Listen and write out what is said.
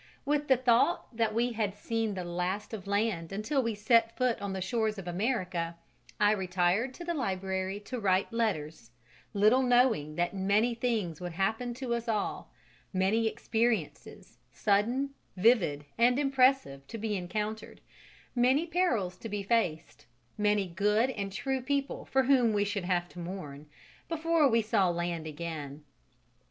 With the thought that we had seen the last of land until we set foot on the shores of America, I retired to the library to write letters, little knowing that many things would happen to us all many experiences, sudden, vivid and impressive to be encountered, many perils to be faced, many good and true people for whom we should have to mourn before we saw land again.